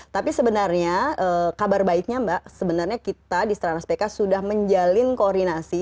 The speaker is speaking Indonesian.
tapi sebenarnya kabar baiknya mbak sebenarnya kita di serana spk sudah menjalin koordinasi